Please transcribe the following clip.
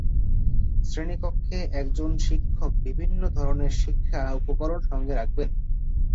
শ্রেণীকক্ষে একজন শিক্ষক বিভিন্ন ধরনের শিক্ষা উপকরণ সঙ্গে রাখবেন।